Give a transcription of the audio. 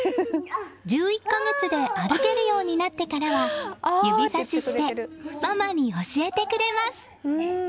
１１か月で歩けるようになってからは指さししてママに教えてくれます。